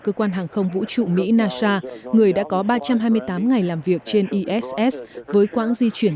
cơ quan hàng không vũ trụ mỹ nasa người đã có ba trăm hai mươi tám ngày làm việc trên iss với quãng di chuyển